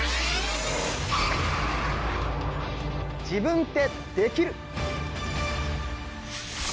自分って、できる！